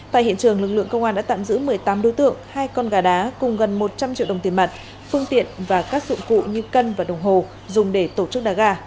tại hiện trường lực lượng công an đã tạm giữ một mươi tám đối tượng hai con gà đá cùng gần một trăm linh triệu đồng tiền mặt phương tiện và các dụng cụ như cân và đồng hồ dùng để tổ chức đá gà